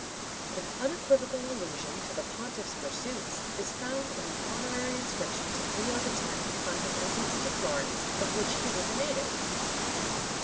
An unequivocal allusion to the pontiff's pursuits is found in an honorary inscription to Leo X. on his entrance into Florence, of which he was a native.